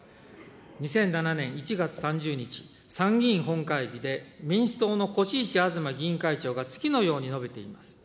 ２００７年１月３０日、参議院本会議で民主党の輿石東議員会長が次のように述べています。